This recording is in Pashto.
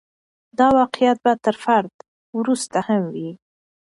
دا واقعیت به تر فرد وروسته هم وي.